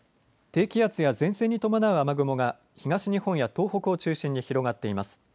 低気圧や前線に伴う雨雲が東日本や東北を中心に広がっています。